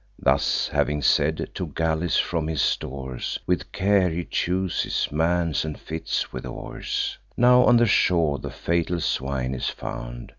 Thus having said, two galleys from his stores, With care he chooses, mans, and fits with oars. Now on the shore the fatal swine is found.